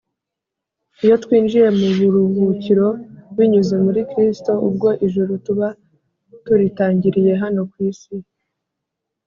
iyo twinjiye mu buruhukiro binyuze muri kristo, ubwo ijuru tuba turitangiriye hano ku isi